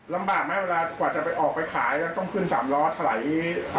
ลำบากไหมเวลากว่าจะไปออกไปขายต้องขึ้น๓ล้อถลายนี้